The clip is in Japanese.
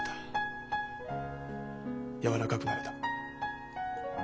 やわらかくなれた。